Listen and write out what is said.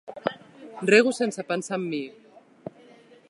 Rego sense pensar en mi.